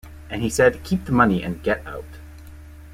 And he said, 'Keep the money and get out.